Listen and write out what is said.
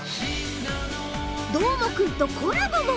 どーもくんとコラボも！